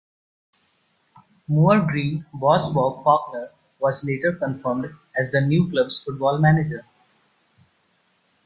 Moor Green boss Bob Faulkner was later confirmed as the new club's football manager.